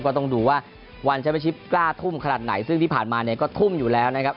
ก็ต้องดูว่าวันแชมป์ชิปกล้าทุ่มขนาดไหนซึ่งที่ผ่านมาเนี่ยก็ทุ่มอยู่แล้วนะครับ